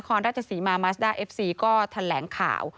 นครราชศีรมามาชต์ด้าเอฟซีก็แถลงข่าว